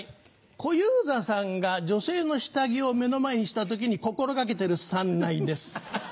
小遊三さんが女性の下着を目の前にした時に心掛けてる三ないです。